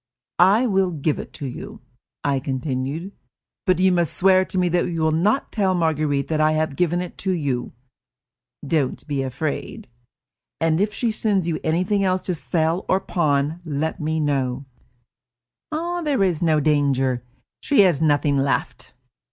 "I will give it to you," I continued, "but you must swear to me that you will not tell Marguerite that I have given it to you." "Don't be afraid." "And if she sends you anything else to sell or pawn, let me know." "There is no danger. She has nothing left."